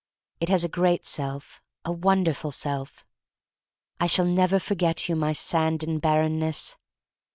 It has a great self, a won derful self. I shall never forget you, my sand and barrenness.